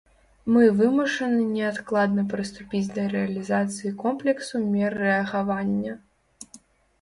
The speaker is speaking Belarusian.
Мы вымушаны неадкладна прыступіць да рэалізацыі комплексу мер рэагавання.